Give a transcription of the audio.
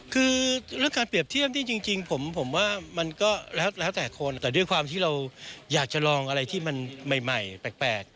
คือเรื่องการเปรียบเทียบที่จริงผมว่ามันก็แล้วแต่คนแต่ด้วยความที่เราอยากจะลองอะไรที่มันใหม่แปลก